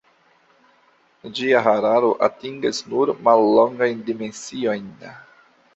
Ĝia hararo atingas nur mallongajn dimensiojn.